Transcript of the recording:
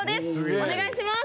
お願いします！